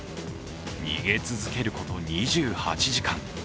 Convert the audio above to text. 逃げ続けること２８時間。